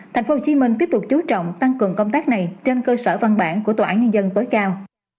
tp hcm tiếp tục chú trọng tăng cường công tác này trên cơ sở văn bản của tòa án nhân dân tối cao